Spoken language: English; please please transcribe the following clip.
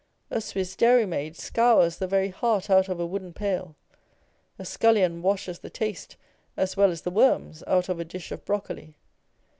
A Swiss dairymaid scours the very heart out of a wooden pail ; a scullion washes the taste as well as the worms out of a dish of brocoli.